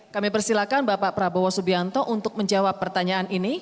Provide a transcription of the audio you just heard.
kami persilakan bapak prabowo subianto untuk menjawab pertanyaan ini